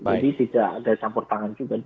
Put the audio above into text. jadi tidak ada campur tangan juga